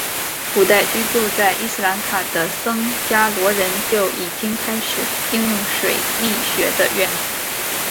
古代居住在斯里兰卡的僧伽罗人就已经开始应用水力学的原理。